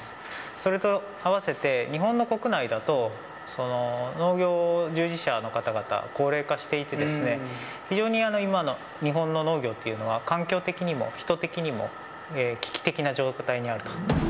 それと合わせて、日本の国内だと農業従事者の方々、高齢化していてですね、非常に今の日本の農業というのは、環境的にも人的にも危機的な状態にあると。